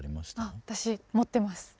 あっ私持ってます。